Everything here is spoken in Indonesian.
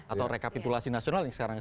atau rekapitulasi nasional yang sekarang